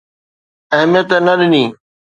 اهميت نه ڏني.